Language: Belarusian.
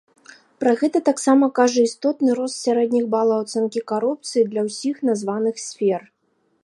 Пра гэта таксама кажа істотны рост сярэдніх балаў ацэнкі карупцыі для ўсіх названых сфер.